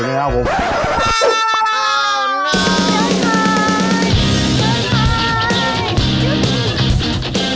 เดินไป